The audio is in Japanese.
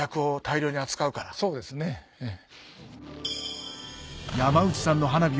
そうですねええ。